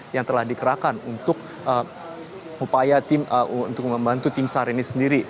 yang telah dikerahkan untuk upaya tim untuk membantu tim sar ini sendiri